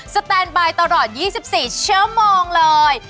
แตนบายตลอด๒๔ชั่วโมงเลย